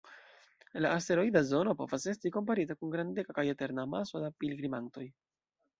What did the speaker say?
La asteroida zono povas esti komparita kun grandega kaj eterna amaso da pilgrimantoj.